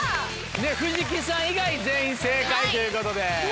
藤木さん以外全員正解ということで。